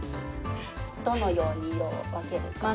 どのように色を分けるか。